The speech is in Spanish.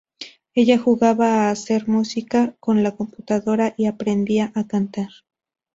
Ella jugaba a hacer música con la computadora y aprendía a cantar.